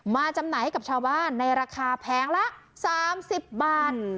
จำหน่ายให้กับชาวบ้านในราคาแพงละ๓๐บาท